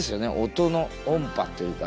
音の音波っていうか。